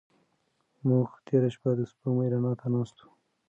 موږ تېره شپه د سپوږمۍ رڼا ته ناست وو.